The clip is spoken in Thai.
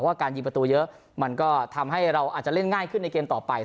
การยิงประตูเยอะมันก็ทำให้เราอาจจะเล่นง่ายขึ้นในเกมต่อไป